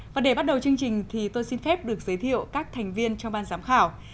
và để bắt đầu chương trình thì tôi xin phép được giới thiệu các thành viên trong ban giám khảo